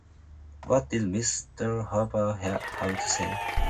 What did Mr. Harper have to say?